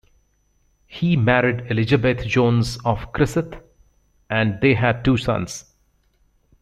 He married Elizabeth Jones of Criccieth, and they had two sons.